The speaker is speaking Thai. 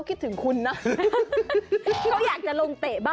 คือ